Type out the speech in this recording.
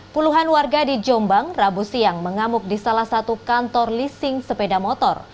puluhan warga di jombang rabu siang mengamuk di salah satu kantor leasing sepeda motor